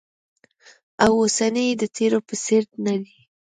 او اوسنی یې د تېر په څېر ندی